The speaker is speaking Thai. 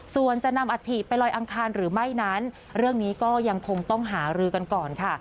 ส่วนจะนำอัฐิไปลอยอังคารหรือไม่นั้นเรื่องนี้ก็ยังคงต้องหารือกันก่อนค่ะ